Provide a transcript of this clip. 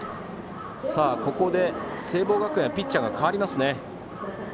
ここで、聖望学園ピッチャーが代わりますね。